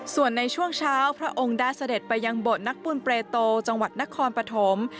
ส่วนในช่วงเช้าพระองค์ได้เสด็จไปยังบทนักบุญเปรโตจังหวัดนครปฐม